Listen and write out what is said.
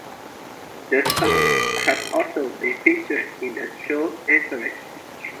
The song has also been featured in the show "Entourage".